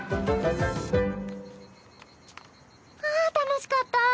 ああ楽しかった。